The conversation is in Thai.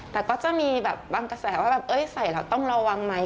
แต่ก็จะมีแบบบางกระแสว่าแบบเอ้ยใส่แล้วต้องระวังไหม